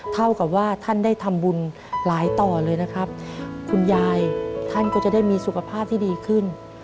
เท่ากับว่าท่านได้ทำบุญหลายต่อเลยนะครับคุณยายท่านก็จะได้มีสุขภาพที่ดีขึ้น